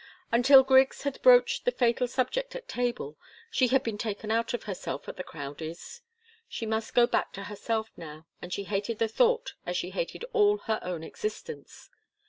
Until Griggs had broached the fatal subject at table, she had been taken out of herself at the Crowdies'. She must go back to herself now, and she hated the thought as she hated all her own existence.